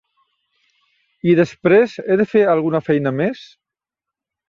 I després, he de fer alguna feina més?